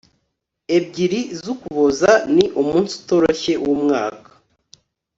ebyiri z'ukuboza ni umunsi utoroshye wumwaka